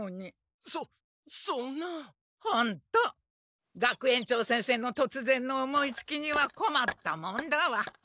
ほんと学園長先生のとつぜんの思いつきにはこまったもんだわ。